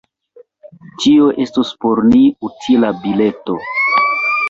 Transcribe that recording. Tio estos por ni utila bileto!